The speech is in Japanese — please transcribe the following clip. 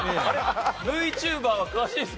ＶＴｕｂｅｒは詳しいですか？